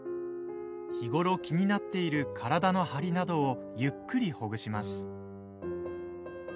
日頃、気になっている体の張りなどをゆっくりほぐします。